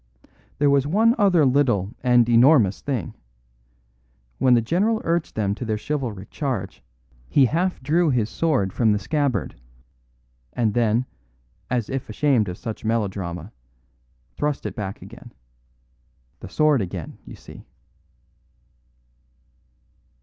"There was one other little and enormous thing. When the general urged them to their chivalric charge he half drew his sword from the scabbard; and then, as if ashamed of such melodrama, thrust it back again. The sword again, you see."